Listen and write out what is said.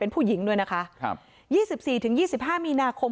เป็นผู้หญิงด้วยนะคะครับยี่สิบสี่ถึงยี่สิบห้ามีนาคม